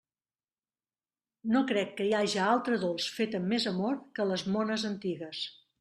No crec que hi haja altre dolç fet amb més amor que les mones antigues.